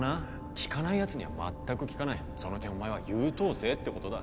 効かないやつには全く効かないその点お前は優等生ってことだ